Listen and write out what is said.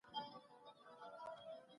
ښوونکی به درس ورکوي او تدريس به روان وي.